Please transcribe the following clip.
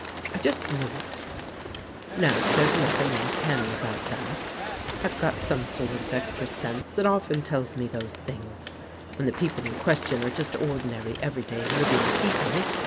I just knew it. Now there's nothing uncanny about that. I've got some sort of extra sense that often tells me those things, when the people in question are just ordinary, everyday, living people.